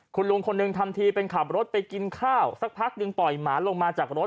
คุณลุงคนหนึ่งทำทีเป็นขับรถไปกินข้าวสักพักหนึ่งปล่อยหมาลงมาจากรถ